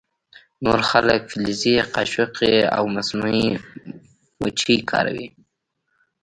نور خلک فلزي قاشقې او مصنوعي مچۍ کاروي